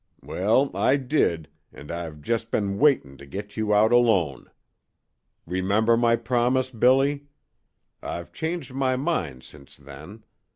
"Well, I did, and I've just been waiting to get you out alone. Remember my promise, Billy? I've changed my mind since then.